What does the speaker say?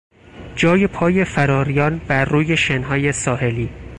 جای پای فراریان برروی شنهای ساحلی